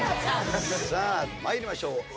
さあ参りましょう。